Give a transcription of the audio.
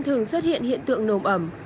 thường xuất hiện hiện tượng nồm ẩm